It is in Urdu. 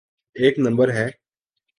ایک نمبر ہے؟